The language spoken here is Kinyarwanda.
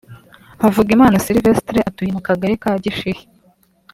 Havugimana Sylvestre atuye mu kagali ka Gishihe